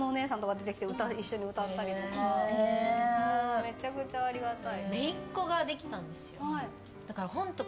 めちゃくちゃありがたい。